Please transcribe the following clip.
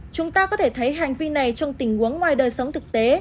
chúng ta có thể thấy hành vi này trong tình huống ngoài đời sống thực tế